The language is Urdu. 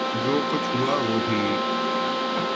جو کچھ ہوا، وہ بھی